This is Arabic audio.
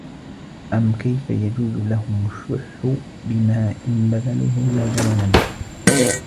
أَمْ كَيْفَ يَجُوزُ لَهُمْ الشُّحُّ بِمَا إنْ بَذَلُوهُ زَادَ وَنَمَا